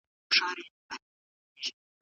خواړه ښه وژويئ.